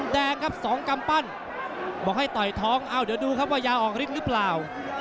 แดงครับสองกำปั้นบอกให้ต่อยท้องเอ้าเดี๋ยวดูครับว่ายาออกฤทธิ์หรือเปล่า